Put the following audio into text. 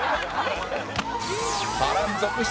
波乱続出